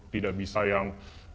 tidak bisa yang